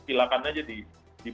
silakan saja di boost